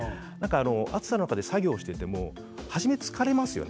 暑さの中で作業をしても初め、疲れますよね。